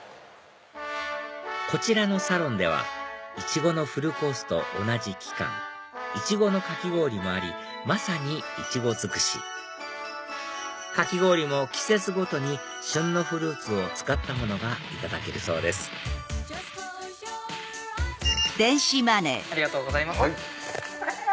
こちらのサロンではいちごのフルコースと同じ期間いちごのかき氷もありまさにイチゴ尽くしかき氷も季節ごとに旬のフルーツを使ったものがいただけるそうですありがとうございます。